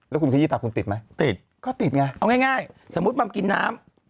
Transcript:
เอาง่ายสมมุติปังกินน้ำ